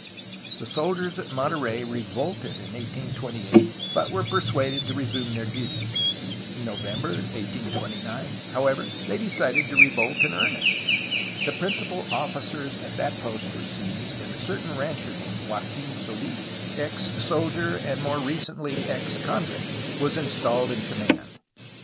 The soldiers at Monterey revolted in 1828, but were persuaded to resume their duties. In No vember 1829, however, they decided to revolt in earnest. The principal officers at that post were seized, and a cer tain rancher named Joaquin Soils, ex soldier and more re cently ex convict, was installed in command.